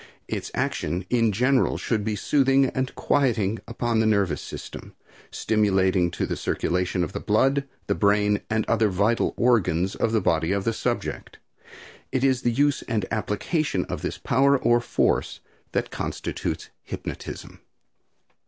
Its action in general should be soothing and quieting upon the nervous system; stimulating to the circulation of the blood, the brain and other vital organs of the body of the subject. It is the use and application of this power or force that constitutes hypnotism.